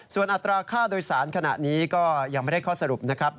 ส่วนอัตราค่าโดยสารขณะนี้ก็ยังไม่ได้ข้อสรุปนะครับ